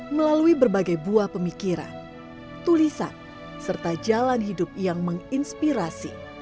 melalui berbagai buah pemikiran tulisan serta jalan hidup yang menginspirasi